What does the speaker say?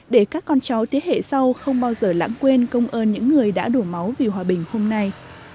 để các con cháu thế hệ sau không bao giờ lãng quên công ơn những người đã đổ máu vì hòa bình hôm nay